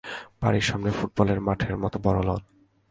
বাড়ির সামনে ফুটবলের মাঠের মতো বড় লন।